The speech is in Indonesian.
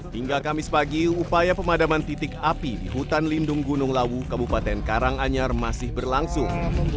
hingga kamis pagi upaya pemadaman titik api di hutan lindung gunung lawu kabupaten karanganyar masih berlangsung